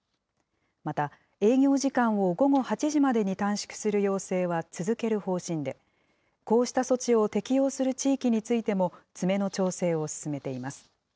また、営業時間を午後８時までに短縮する要請は続ける方針で、こうした措置を適用する地域についても、詰めの調整を進めています。